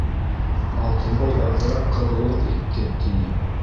— Алтынбай әҙерәк ҡыҙыулыҡ итте, — тине.